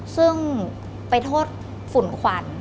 ซึ่งไปโทษฝุ่นขวัญ